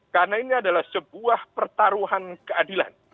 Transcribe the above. karena ini adalah sebuah pertaruhan keadilan